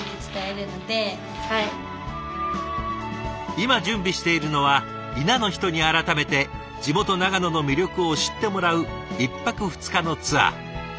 今準備しているのは伊那の人に改めて地元長野の魅力を知ってもらう１泊２日のツアー。